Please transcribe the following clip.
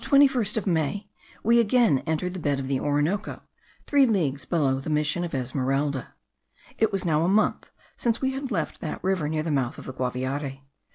On the 21st May, we again entered the bed of the Orinoco, three leagues below the mission of Esmeralda. It was now a month since we had left that river near the mouth of the Guaviare.